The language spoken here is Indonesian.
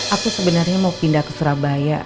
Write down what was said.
aku sebenarnya mau pindah ke surabaya